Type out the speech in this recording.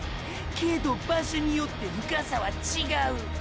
けど場所によって深さは違う！！